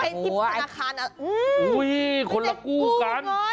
แล้วไปกินธนาคารไม่ได้กู้กันโอ้โหคนละกู้กัน